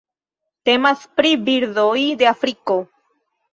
Temas pri birdoj de Afriko.